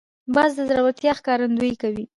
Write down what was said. باز د زړورتیا ښکارندویي کوي